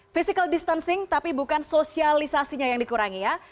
physical distancing tapi bukan sosialisasinya yang dikurangi ya